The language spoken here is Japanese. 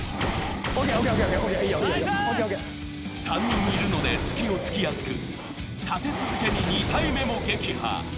３人いるので隙を突きやすく、立て続けに２体目も撃破。